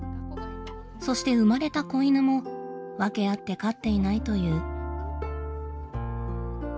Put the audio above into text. そして生まれた子犬も訳あって飼っていないという。